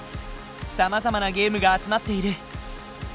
さまざまなゲームが集まっている。